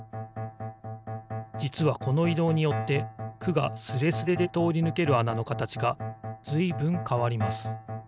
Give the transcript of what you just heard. じつはこのいどうによって「く」がスレスレでとおりぬけるあなのかたちがずいぶんかわります。